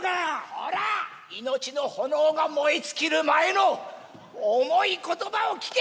「ほら命の炎が燃え尽きる前の重い言葉を聞け！